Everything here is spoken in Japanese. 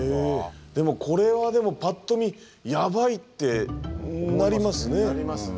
でもこれはでもぱっと見やばいってなりますね。